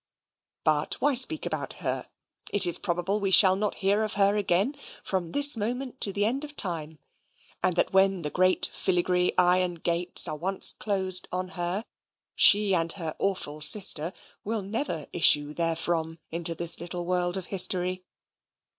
But why speak about her? It is probable that we shall not hear of her again from this moment to the end of time, and that when the great filigree iron gates are once closed on her, she and her awful sister will never issue therefrom into this little world of history.